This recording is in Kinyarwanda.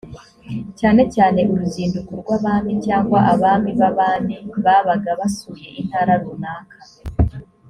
cyane cyane uruzinduko rw abami cyangwa abami b abami babaga basuye intara runaka